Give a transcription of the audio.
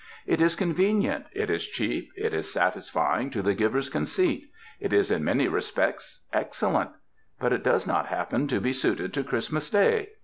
It is convenient, it is cheap, it is satisfying to the giver's conceit. It is in many respects excellent. But it does not happen to be suited to Christmas Day.